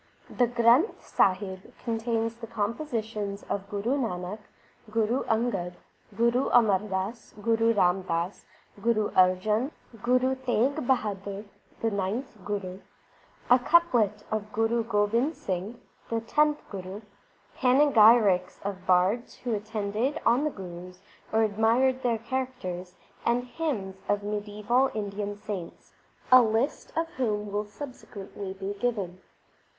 The Granth Sahib contains the compositions of Guru Nanak y Gura Angad, Guru Amar. Das, Guru Ram Das, Guru Arjan, Guru Teg Bahadur (the ninth Guru), a couplet of Guru Gobind Singh (the tenth Guru), panegyrics of bards who attended on the Gurus or admired their characters, and hymns of mediaeval Indian saints, a list of whom will subsequently be given.